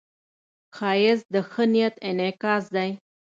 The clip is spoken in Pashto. ښایست د ښه نیت انعکاس دی